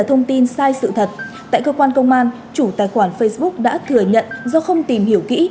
thông tin sai sự thật tại cơ quan công an chủ tài khoản facebook đã thừa nhận do không tìm hiểu kỹ